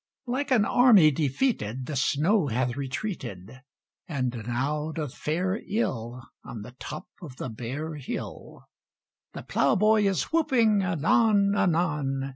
Like an army defeated The snow hath retreated, And now doth fare ill On the top of the bare hill; The Plough boy is whooping anon, anon.